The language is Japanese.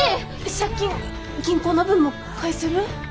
借金銀行の分も返せる？